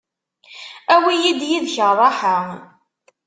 Awi-yi-d yid-k ṛṛaḥa.